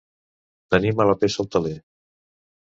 Tenir mala peça al teler.